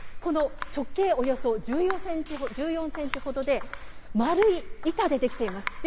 この直径およそ１４センチほどで、丸い板で出来ています。